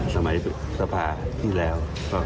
สมัยสภาที่แล้ว